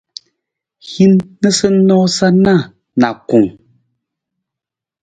Hin noosanoosa na nijakung.